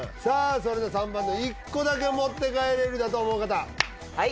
それでは３番の１個だけ持って帰れるだと思う方はい